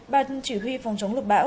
bà chỉ huy phòng chống lục bão